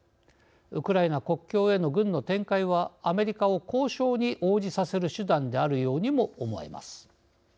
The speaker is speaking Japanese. ウクライナ国境への軍の展開はアメリカを交渉に応じさせる手段であるようにも思えます。